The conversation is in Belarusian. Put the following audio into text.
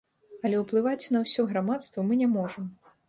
Але ўплываць на ўсё грамадства мы не можам.